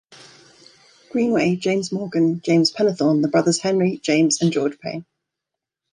Greenway, James Morgan, James Pennethorne, the brothers Henry, James and George Pain.